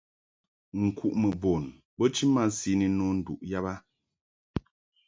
Nkuʼmɨ bun bo chi masi ni nno nduʼ yab a.